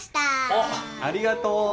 おっありがとう。